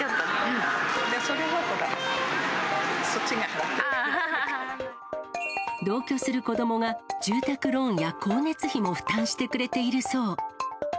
でもそれはほら、そっちが払って同居する子どもが住宅ローンや光熱費も負担してくれているそう。